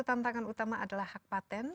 tantangan utama adalah hak patent